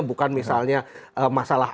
bukan misalnya masalah